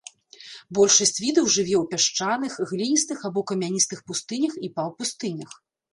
Большасць відаў жыве ў пясчаных, гліністых або камяністых пустынях і паўпустынях.